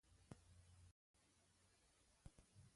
له پښتنې سره غېږه تودول غټ لوټ غواړي.